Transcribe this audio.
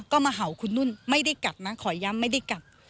ก็มาเห่าคุณนุ่นไม่ได้กัดนะขอย้ำไม่ได้กัด